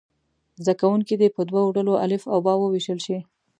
زده کوونکي دې په دوو ډلو الف او ب وویشل شي.